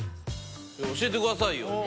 教えてくださいよ。